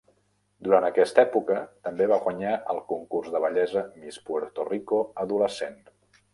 Durant aquesta època també va guanyar el concurs de bellesa "Miss Puerto Rico adolescent".